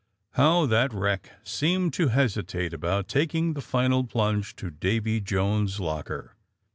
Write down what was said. How that wreck seemed to hesitate about tak ing the final plunge to Davy Jones 's locker